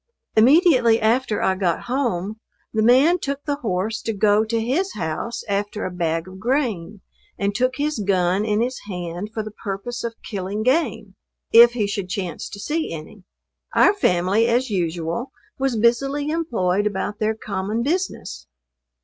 Immediately after I got home, the man took the horse to go to his house after a bag of grain, and took his gun in his hand for the purpose of killing game, if he should chance to see any. Our family, as usual, was busily employed about their common business.